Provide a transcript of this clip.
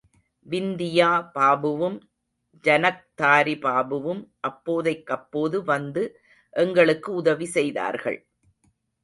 விந்தியா பாபுவும், ஜனக்தாரி பாபுவும் அப்போதைக்கப்போது வந்து எங்களுக்கு உதவி செய்தார்கள்.